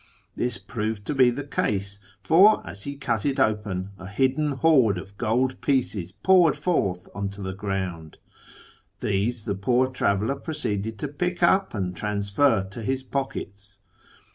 This proved to be the case, for, as he cut it open, a hidden hoard of gold pieces poured forth on to the ground. These the poor traveller pro ceeded to pick up and transfer to his pockets.